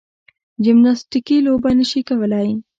جمناستیکي لوبه نه شي کولای.